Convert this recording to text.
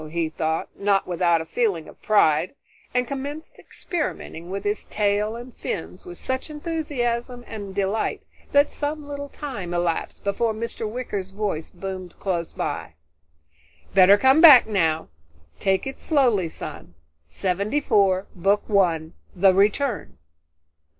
he thought, not without a feeling of pride, and commenced experimenting with his tail and fins with such enthusiasm and delight that some little time elapsed before Mr. Wicker's voice boomed close by. "Better come back now. Take it slowly, son. Seventy four, Book One: The Return."